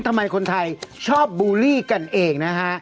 ทำไมคนไทยชอบบูลลี่กันเองนะฮะ